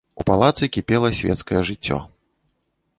У палацы кіпела свецкае жыццё.